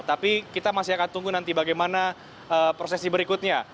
tapi kita masih akan tunggu nanti bagaimana prosesi berikutnya